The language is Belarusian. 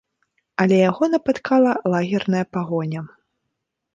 Але яго напаткала лагерная пагоня.